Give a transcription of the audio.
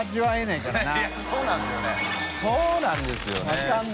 いそうなんですよね